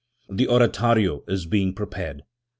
The ora torio is being prepared.